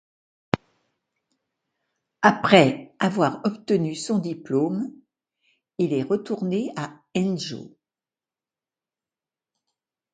Après avoir obtenu son diplôme, il est retourné à Anjō.